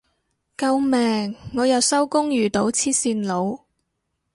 救命我又收工遇到黐線佬